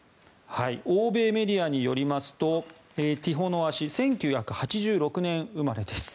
欧米メディアによりますとティホノワ氏１９８６年生まれです。